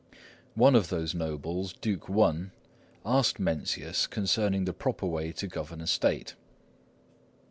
One of these nobles, Duke Wên, asked Mencius concerning the proper way to govern a state.